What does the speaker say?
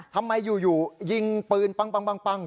ทำไมอยู่ยิงปืนปั้ง